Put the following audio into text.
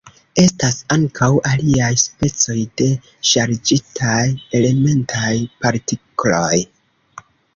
Estas ankaŭ aliaj specoj de ŝargitaj elementaj partikloj.